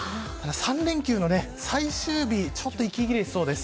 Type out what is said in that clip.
３連休の最終日ちょっと息切れしそうです。